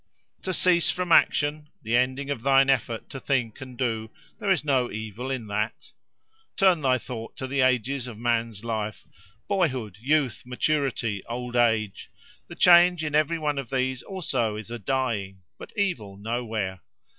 "To cease from action—the ending of thine effort to think and do: there is no evil in that. Turn thy thought to the ages of man's life, boyhood, youth, maturity, old age: the change in every one of these also is a dying, but evil nowhere.